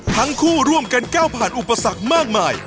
ทั้งคู่ร่วมกันก้าวผ่านอุปสรรคมากมาย